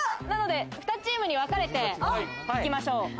なので２チームに分かれていきましょう。